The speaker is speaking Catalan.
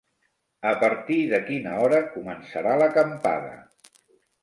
A partir de quina hora començarà l'acampada?